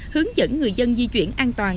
hướng dẫn người dân di chuyển an toàn